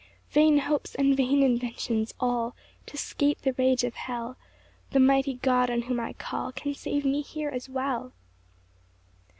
6 Vain hopes, and vain inventions all To 'scape the rage of hell! The mighty God on whom I call Can save me here as well.